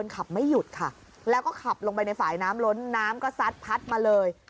ขับไม่หยุดค่ะแล้วก็ขับลงไปในฝ่ายน้ำล้นน้ำก็ซัดพัดมาเลย